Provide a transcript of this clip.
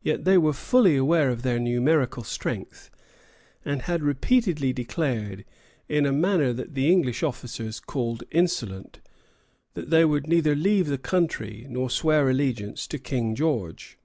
Yet they were fully aware of their numerical strength, and had repeatedly declared, in a manner that the English officers called insolent, that they would neither leave the country nor swear allegiance to King George.